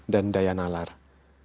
dan kemudian juga kemampuan pengetahuan